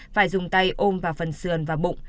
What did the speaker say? phải dùng tay ôm vào phần sườn và bụng